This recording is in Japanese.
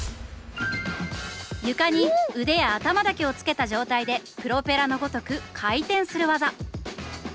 床に腕や頭だけをつけた状態でプロペラのごとく回転する技。